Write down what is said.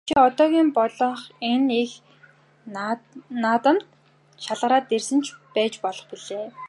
Чи одоогийн болох энэ их наадамд шалгараад ирсэн ч байж болох билээ.